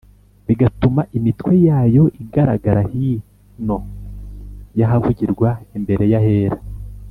bigatuma imitwe yayo igaragara hino y’ahavugirwa imbere y’Ahera